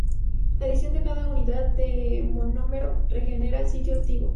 La adición de cada unidad de monómero regenera el sitio activo.